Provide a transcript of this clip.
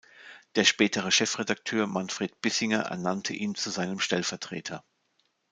Der spätere Chefredakteur Manfred Bissinger ernannte ihn zu seinem Stellvertreter.